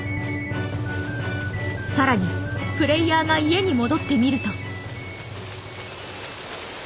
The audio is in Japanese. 更にプレイヤーが家に戻ってみると。